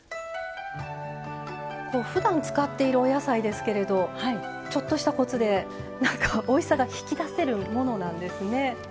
ふだん使っているお野菜ですけどちょっとしたコツでおいしさが引き出せるもの